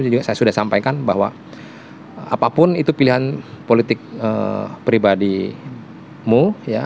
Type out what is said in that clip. jadi saya sudah sampaikan bahwa apapun itu pilihan politik pribadimu ya